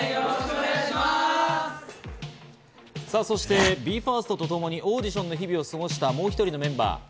そしてＢＥ：ＦＩＲＳＴとともにオーディションの日々を過ごしたもう１人のメンバー。